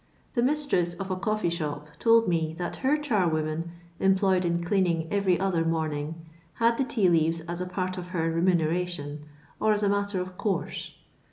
The mis tress of a coffco shop told mo that her charwoman, employed in cleaning every other morning, had the tea leaves as a part of her remuneration, or as a matter of course.